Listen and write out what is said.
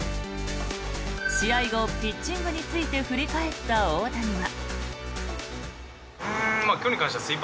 試合後、ピッチングについて振り返った大谷は。